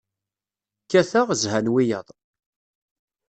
Kkateɣ, zhan wiyaḍ.